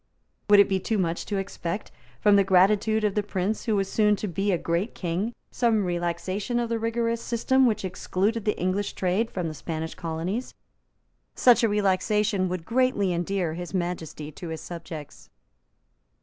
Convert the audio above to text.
Would it be too much to expect, from the gratitude of the prince who was soon to be a great king, some relaxation of the rigorous system which excluded the English trade from the Spanish colonies? Such a relaxation would greatly endear His Majesty to his subjects.